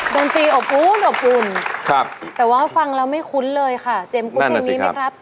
ดนตรีอบอุ้นอบอุ่นครับแต่ว่าฟังแล้วไม่คุ้นเลยค่ะเจมสคุ้นเพลงนี้ไหมครับ